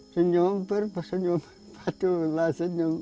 senyum perp senyum padulah senyum